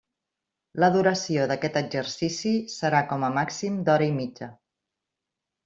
La duració d'aquest exercici serà com a màxim d'hora i mitja.